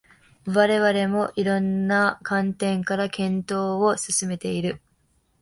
我々も色々な観点から検討を進めている